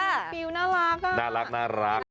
น้องฟูฟิลล์น่ารักอ่ะน่ารัก